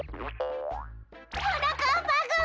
はなかっぱくん！